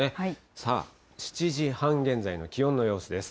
さあ、７時半現在の気温の様子です。